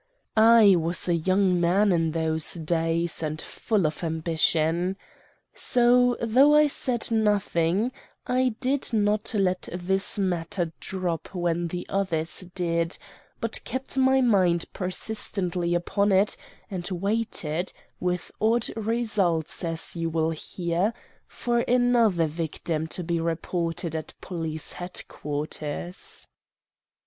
"I was a young man in those days, and full of ambition. So, though I said nothing, I did not let this matter drop when the others did, but kept my mind persistently upon it and waited, with odd results as you will hear, for another victim to be reported at police headquarters.